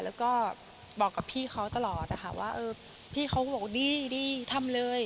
แล้วก็บอกกับพี่เขาตลอดนะคะว่าเออพี่เขาก็บอกดีดีทำเลย